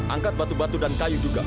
angkat batu batu dan kayu juga